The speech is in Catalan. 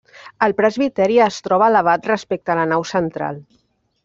El presbiteri es troba elevat respecte a la nau central.